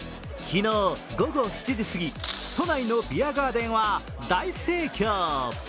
昨日、午後７時過ぎ、都内のビアガーデンは大盛況。